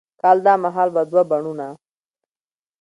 کال دا مهال به دوه بڼوڼه،